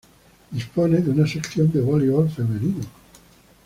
Dispone de una sección de voleibol femenino.